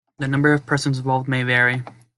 The number of persons involved may vary.